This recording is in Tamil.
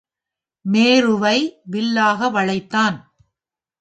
மேருவை வில்லாக வளைத்தான்.